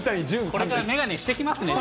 これからメガネしてきますね。